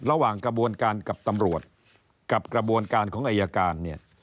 ระหว่างกระบวนการกับตำรวจกับกระบวนการของอายการเนี่ย